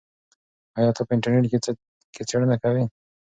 آیا ته په انټرنیټ کې څېړنه کوې؟